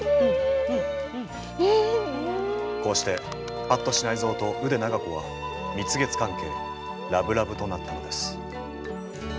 こうして八渡支内造と腕長子は蜜月関係ラブラブとなったのです。